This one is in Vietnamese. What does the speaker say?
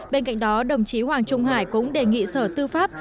bên cạnh đó đồng chí hoàng trung hải cũng đề nghị sở tư pháp